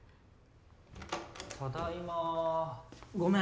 ただいまごめん